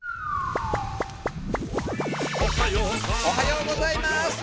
おはようございます！